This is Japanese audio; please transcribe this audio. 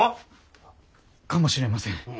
かもしれません。